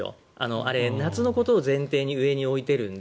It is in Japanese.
あれ、夏のことを前提に上に置いているので。